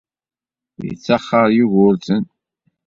Yettaxer Yugurten.